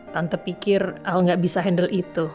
tante pikir aku gak bisa handle itu